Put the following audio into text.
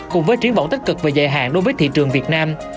cùng với triến vọng tất cực về dài hạn đối với thị trường việt nam